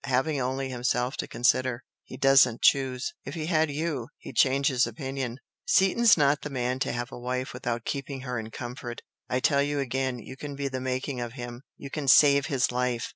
Having only himself to consider, he DOESN'T choose! If he had YOU, he'd change his opinion. Seaton's not the man to have a wife without keeping her in comfort. I tell you again, you can be the making of him. You can save his life!"